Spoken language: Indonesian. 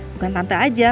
bukan tante aja